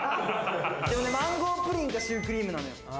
マンゴープリンかシュークリームなのよ。